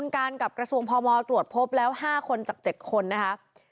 กระทรวงพมตรวจพบแล้ว๕คนจาก๗คนนะครับ